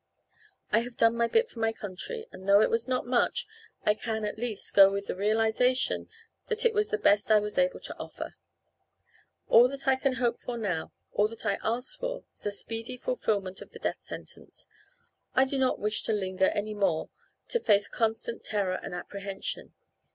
I have done my bit for my country, and though it was not much I can at least go with the realization that it was the best I was able to offer. All that I can hope for now, all that I ask for, is a speedy fulfillment of the death sentence. I do not wish to linger any more to face constant terror and apprehension.